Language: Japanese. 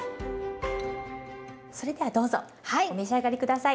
それではどうぞお召し上がり下さい。